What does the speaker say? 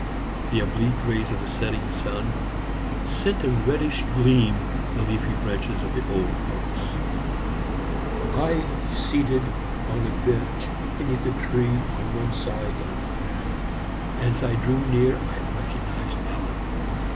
The oblique rays of the setting sun sent a reddish gleam the leafy branches of the old oaks. I seated on a bench beneath a tree on one side of the path. As I drew near I recognized Ellen.